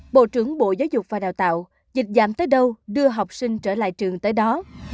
bộ trưởng bộ giáo dục và đào tạo dịch giảm tới đâu đưa học sinh trở lại trường tới đó